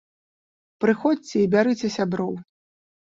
Прыходзьце і бярыце сяброў!